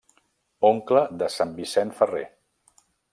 Oncle de Sant Vicent Ferrer.